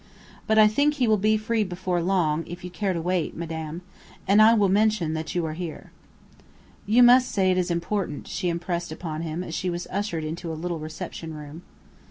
"But I think he will be free before long, if you care to wait, madame, and I will mention that you are here." "You must say it is important," she impressed upon him as she was ushered into a little reception room.